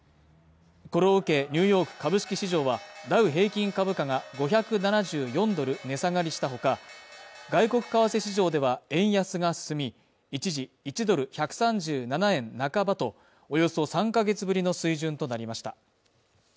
これを受け、ニューヨーク株式市場はダウ平均株価が５７４ドル値下がりしたほか、外国為替市場では円安が進み、一時１ドル＝１３７円半ばとおよそ３ヶ月ぶりの水準となりました。